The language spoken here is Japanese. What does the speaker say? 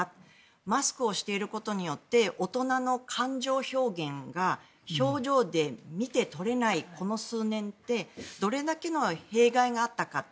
マスクをしていることによって大人の感情表現が表情で見て取れないこの数年ってどれだけの弊害があったかって